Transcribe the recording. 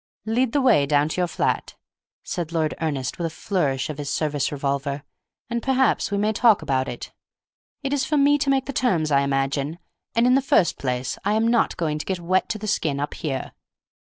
"Lead the way down to your flat," said Lord Ernest, with a flourish of his service revolver, "and perhaps we may talk about it. It is for me to make the terms, I imagine, and in the first place I am not going to get wet to the skin up here."